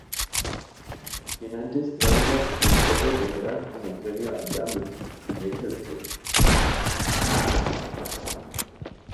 Quien antes traiga el fuego tendrá como premio a Gamla, la hija del jefe.